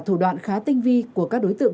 thủ đoạn khá tinh vi của các đối tượng